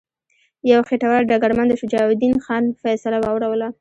یو خیټور ډګرمن د شجاع الدین خان فیصله واوروله.